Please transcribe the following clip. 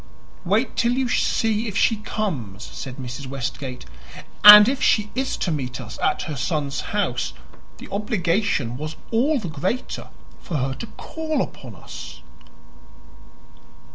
"Wait till you see if she comes," said Mrs. Westgate. "And if she is to meet us at her son's house the obligation was all the greater for her to call upon us."